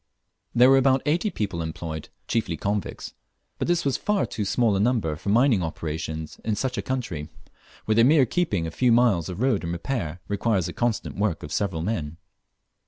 There ware about eighty men employed, chiefly convicts; but this was far too small a number for mining operations in such a country, where the mere keeping a few miles of road in repair requires the constant work of several men.